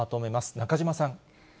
中島さん。